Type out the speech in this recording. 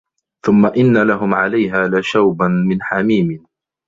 ثُمَّ إِنَّ لَهُم عَلَيها لَشَوبًا مِن حَميمٍ